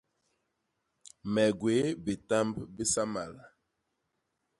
Me gwéé bitamb bisamal.